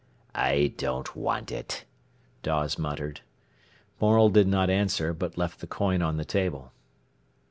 "I don't want it," Dawes muttered. Morel did not answer, but left the coin on the table.